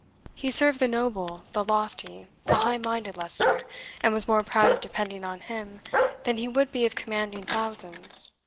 He served the noble, the lofty, the high minded Leicester, and was more proud of depending on him than he would be of commanding thousands.